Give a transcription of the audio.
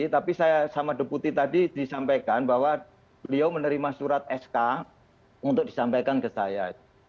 tapi saya sama deputi tadi disampaikan bahwa beliau menerima surat sk untuk disampaikan ke saya